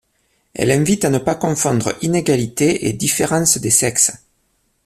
Elle invite à ne pas confondre inégalité et différence des sexes.